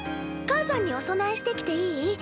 母さんにお供えしてきていい？